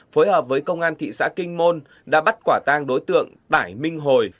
phối hợp với công an thị xã kinh môn đã bắt quả tang đối tượng tải minh hồi